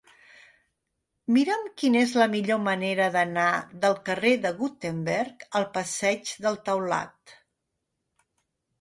Mira'm quina és la millor manera d'anar del carrer de Gutenberg al passeig del Taulat.